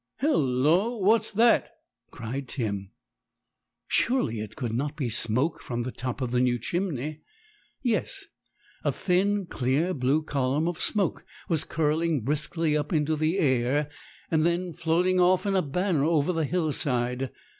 'Hillo! what's that?' cried Tim. Surely it could not be smoke from the top of the new chimney? Yes; a thin, clear blue column of smoke was curling briskly up into the air, and then floating off in a banner over the hillside.